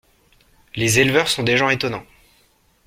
Les éleveurs sont des gens étonnants.